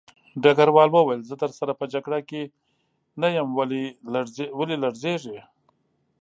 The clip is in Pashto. ډګروال وویل زه درسره په جګړه کې نه یم ولې لړزېږې